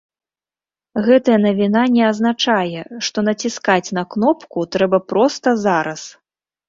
Гэтая навіна не азначае, што націскаць на кнопку трэба проста зараз.